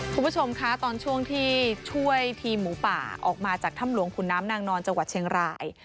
คุณผู้ชมคะตอนช่วงที่ช่วยทีมหมูป่าออกมาจากถ้ำหลวงขุนน้ำนางนอนจังหวัดเชียงราย